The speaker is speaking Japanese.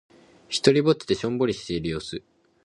ひとりっぼちでしょんぼりしている様子。